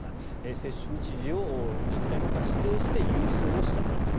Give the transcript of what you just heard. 接種日時を自治体のほうから指定して郵送したと。